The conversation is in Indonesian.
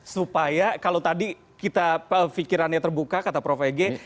supaya kalau tadi kita pikirannya terbuka kata prof ege